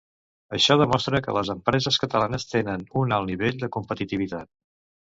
Això demostra que les empreses catalanes tenen un alt nivell de competitivitat.